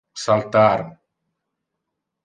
Saltar!